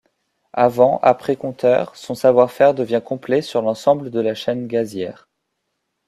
Avant, après compteur, son savoir-faire devient complet pour l’ensemble de la chaîne gazière.